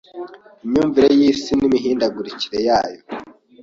Imyumvire y’isi n’imihindagurikire yayo